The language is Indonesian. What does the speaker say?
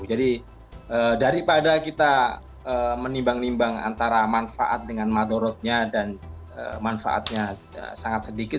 jadi daripada kita menimbang nimbang antara manfaat dengan madorotnya dan manfaatnya sangat sedikit